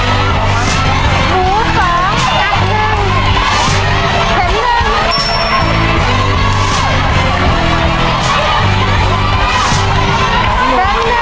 หัวหนึ่งหัวหนึ่ง